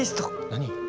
何？